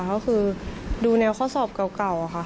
ก็คือดูแนวข้อสอบเก่าค่ะ